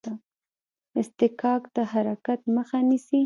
اصطکاک د حرکت مخه نیسي.